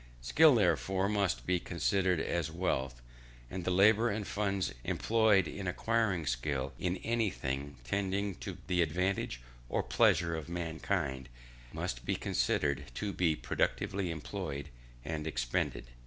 Skill, therefore, must be considered as wealth; and the labour and funds employed in acquiring skill in anything tending to the advantage or pleasure of mankind, must be considered to be productively employed and expended.